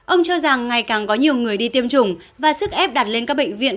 ông cho rằng ngày càng có nhiều người đi tiêm chủng và sức ép đặt lên các bệnh viện